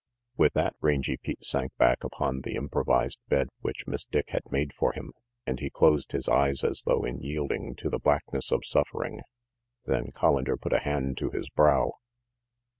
With that, Rangy Pete sank back upon the improvised bed which Miss Dick had made for him, and he closed his eyes as though in yielding to the blackness of suffering. Then Collander put a hand to his brow.